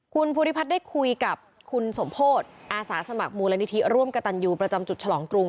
คุณภูริพัฒน์ได้คุยกับคุณสมโพธิอาสาสมัครมูลนิธิร่วมกระตันยูประจำจุดฉลองกรุง